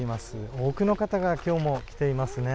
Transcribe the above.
多くの方が、きょうも来ています。